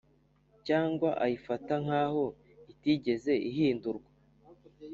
Cyangwa ayifata nk aho itigeze ihindurwa